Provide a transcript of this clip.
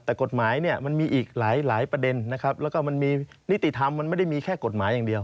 แต่กฎหมายเนี่ยมันมีอีกหลายประเด็นนะครับแล้วก็มันมีนิติธรรมมันไม่ได้มีแค่กฎหมายอย่างเดียว